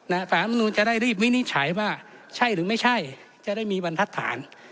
สารรัฐมนุนจะได้รีบวินิจฉัยว่าใช่หรือไม่ใช่จะได้มีบรรทัศน